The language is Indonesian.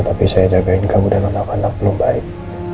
tapi saya jagain kamu dan anak anak lo baik